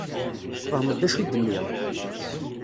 Tfehmeḍ d acu i d-nniɣ?